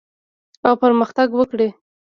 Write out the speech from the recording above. او پرمختګ وکړي.